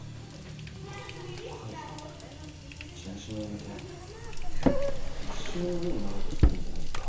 鷹野さん事務所も辞めて復讐の鬼になろうとしてるんじゃないですか？